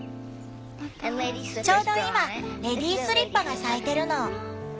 ちょうど今レディースリッパが咲いてるの。